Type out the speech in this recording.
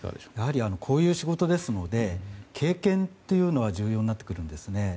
こういう仕事ですので経験というのは重要になってくるんですね。